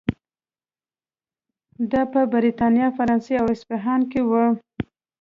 دا په برېټانیا، فرانسې او هسپانیا کې و.